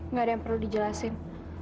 nggak ada yang perlu dijelasin